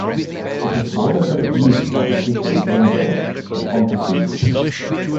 It is bordered to the east by the city of Gainesville, the county seat.